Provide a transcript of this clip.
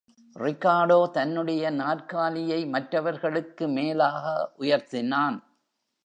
Ricardo தன்னுடைய நாற்காலியை மற்றவர்களுக்கு மேலாக உயர்த்தினான்.